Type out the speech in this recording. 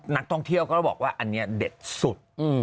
นักท่องเที่ยวก็บอกว่าอันนี้เด็ดสุด